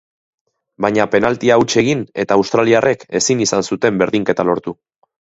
Baina penaltia huts egin eta australiarrek ezin izan zuten berdinketa lortu.